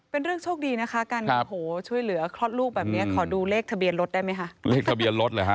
เป็นเรื่องโชคดีนะคะการช่วยเหลือคลอดลูกแบบนี้